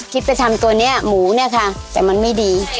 ไปทำตัวนี้หมูเนี่ยค่ะแต่มันไม่ดี